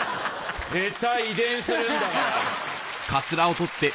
絶対遺伝するんだから。